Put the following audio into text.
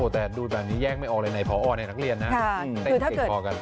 แต่ดูแบบนี้แยกไม่ออกเลยในผอในนักเรียนนะ